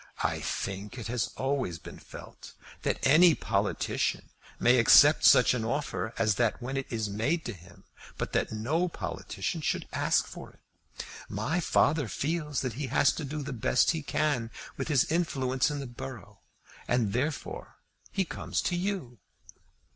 "I think it has always been felt that any politician may accept such an offer as that when it is made to him, but that no politician should ask for it. My father feels that he has to do the best he can with his influence in the borough, and therefore he comes to you."